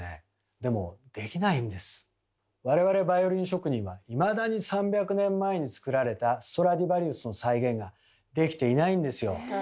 でも我々バイオリン職人はいまだに３００年前に作られたストラディヴァリウスの再現ができていないんですよ。